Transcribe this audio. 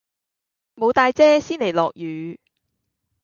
無帶遮先嚟落雨